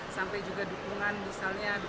sampai juga dukungan misalnya